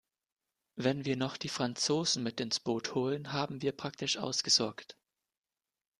Wenn wir noch die Franzosen mit ins Boot holen, haben wir praktisch ausgesorgt.